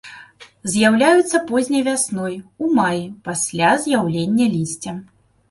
З'яўляюцца позняй вясной, у маі, пасля з'яўлення лісця.